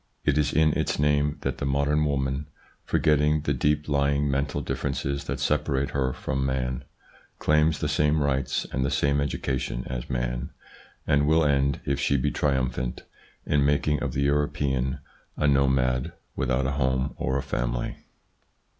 It is in its name that the modern woman, forgetting the deep lying mental differences that separate her from man, claims the same rights and the same education as man, and will end, if she be triumphant, in making of the European a nomad without a home or a family.